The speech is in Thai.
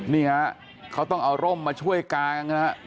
นี่ฮะเขาต้องเอาร่มมาช่วยกางนะฮะ